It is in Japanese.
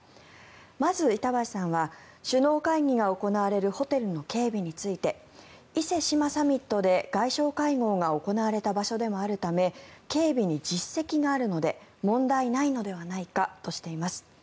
まず板橋さんは首脳会議が行われるホテルの警備について伊勢志摩サミットで外相会合が行われた場所でもあるため警備に実績があるので問題ないのではないかとしています。